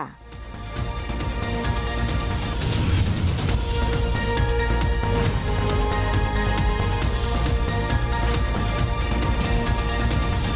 สักครู่ค่ะ